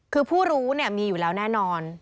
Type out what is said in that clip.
คือผู้รู้มีอยู่แล้วแน่นอน